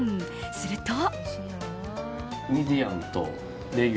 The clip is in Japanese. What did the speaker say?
すると。